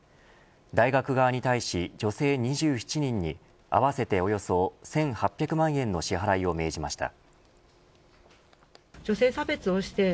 大学側に対し、女性２７人に合わせておよそ１８００万円の支払いを命じました。